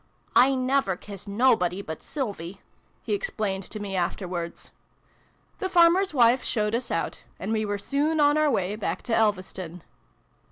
("I never kiss nobody but Sylvie !" he explained to me afterwards.) The farmer's wife showed us out : and we were soon on our way back to Elveston.